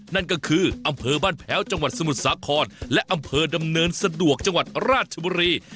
นั่นก็คืออำเภอบ้านแพ้วจังหวัดสมุทรสาครและอำเภอดำเนินสะดวกจังหวัดราชบุรี